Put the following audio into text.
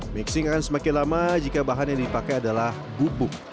mixing akan semakin lama jika bahan yang dipakai adalah bubuk